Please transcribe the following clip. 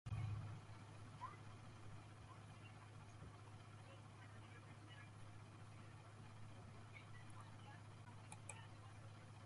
Shuk wawata tuta purichishpankuna wayran.